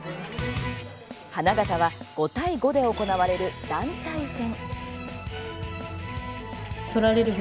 花形は、５対５で行われる団体戦。